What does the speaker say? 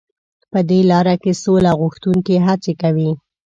په دې لاره کې سوله غوښتونکي هڅې کوي.